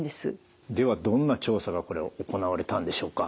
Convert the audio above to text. ではどんな調査がこれ行われたんでしょうか？